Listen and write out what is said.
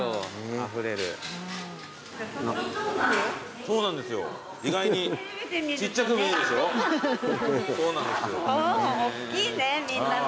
あっそうおっきいねみんなね。